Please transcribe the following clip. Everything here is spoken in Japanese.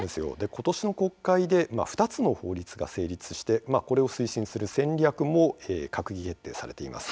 今年、国会で２つの法律が成立しましてこれを推進する戦略も閣議決定されています。